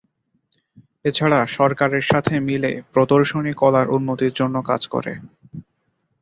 এছাড়া সরকারের সাথে মিলে প্রদর্শনী কলার উন্নতির জন্য কাজ করে।